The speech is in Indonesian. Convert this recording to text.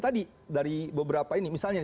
tadi dari beberapa ini misalnya